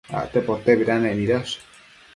Acte potebidanec nidash